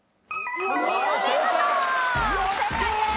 お見事正解です。